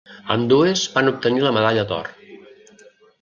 Ambdues van obtenir la medalla d'or.